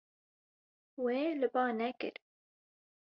Wê li ba nekir.